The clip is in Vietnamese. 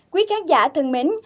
quý khán giả thân mến